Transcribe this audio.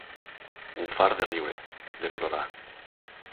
Un fart de riure, de plorar.